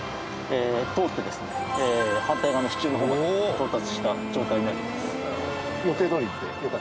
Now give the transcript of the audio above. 反対側の支柱の方まで到達した状態になってます。